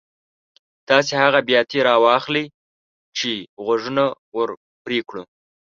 تاسې هغه بیاتي را واخلئ چې غوږونه ور پرې کړو.